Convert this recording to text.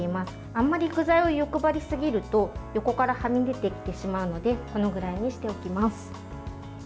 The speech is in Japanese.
あまり具材を欲張りすぎると横からはみ出てきてしまうのでこのぐらいにしておきます。